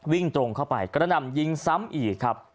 วิ่งตรงเข้าไปกระหน่ำยิงซ้ำอีกครับ